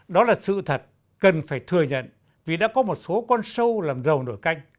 đó là sự thật cần phải thừa nhận vì đã có một số con sâu làm rầu nổi canh